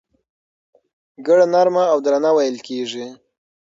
ګړه نرمه او درنه وېل کېږي.